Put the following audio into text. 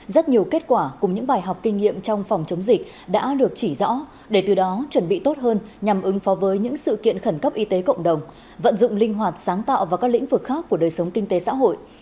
rất nhiều kết quả cùng những bài học kinh nghiệm trong phòng chống dịch đã được chỉ rõ để từ đó chuẩn bị tốt hơn nhằm ứng phó với những sự kiện khẩn cấp y tế cộng đồng vận dụng linh hoạt sáng tạo vào các lĩnh vực khác của đời sống kinh tế xã hội